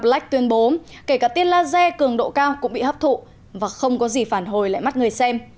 black tuyên bố kể cả tiên laser cường độ cao cũng bị hấp thụ và không có gì phản hồi lại mắt người xem